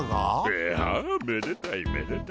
いやめでたいめでたい。